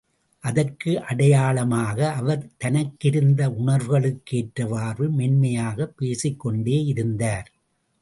அதற்கு அடையாளமாக அவர் தனக்கிருந்த உணர்வுகளுக்கு ஏற்றவாறு மென்மையாகப் பேசிக் கொண்டே இருந்தார்.